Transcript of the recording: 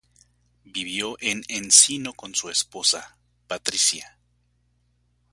Vivió en Encino con su esposa, Patricia.